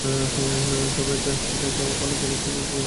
তবু একটাই চাওয়া, ভালো খেলুক সবাই এবং প্রিয় দল বিজয়ী হোক।